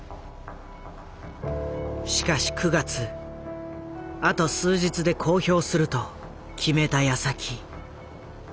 しかし９月あと数日で公表すると決めたやさき。